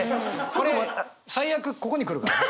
これ最悪ここに来るからね。